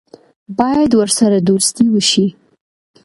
باید ورسره دوستي وشي.